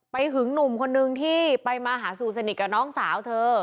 ไปหึงหนุ่มที่มาหาสู่สนิทกับน้องสาวเธอ